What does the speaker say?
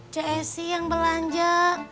ceci yang belanja